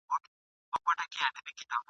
لېونو ته لېونی پاچا ښکارېږي !.